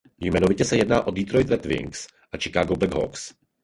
Jmenovitě se jedná o Detroit Red Wings a Chicago Blackhawks.